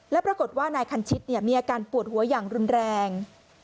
และปรากฏว่านายคันชิตมีอาการปวดหัวอย่างรุนแรง